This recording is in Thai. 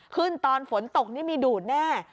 ตอนฝนตกนี่มีดูดแน่